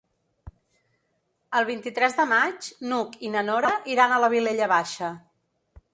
El vint-i-tres de maig n'Hug i na Nora iran a la Vilella Baixa.